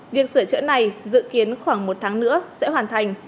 việc sửa chữa này dự kiến khoảng một tháng nữa sẽ hoàn thành